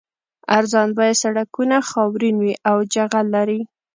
ارزان بیه سړکونه خاورین وي او جغل لري